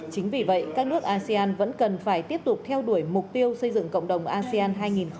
chính vì vậy các nước asean vẫn cần phải tiếp tục theo đuổi mục tiêu xây dựng cộng đồng asean hai nghìn hai mươi năm